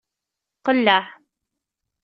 Qelleɛ.